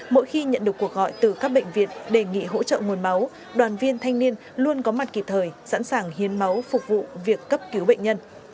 mỗi khi nhận được cuộc gọi từ các bệnh viện đề nghị hỗ trợ nguồn máu đoàn viên thanh niên luôn có mặt kịp thời sẵn sàng hiến máu phục vụ việc cấp cứu bệnh nhân